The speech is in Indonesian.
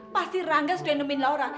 pasti rangga sudah endomin laura